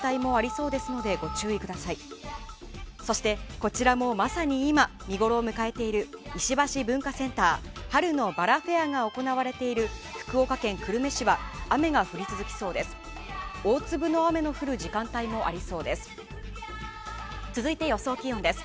そして、こちらもまさに今見ごろを迎えている石橋文化センター春のバラフェアが行われている福岡県久留米市は雨が降り続きそうです。